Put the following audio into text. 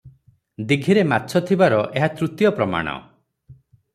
ଦୀଘିରେ ମାଛ ଥିବାର ଏହା ତୃତୀୟ ପ୍ରମାଣ ।